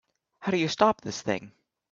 How do you stop this thing?